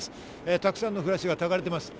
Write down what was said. たくさんのフラッシュがたかれています。